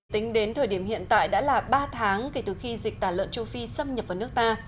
tính đến thời điểm hiện tại đã là ba tháng kể từ khi dịch tả lợn châu phi xâm nhập vào nước ta